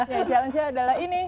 challenge nya adalah ini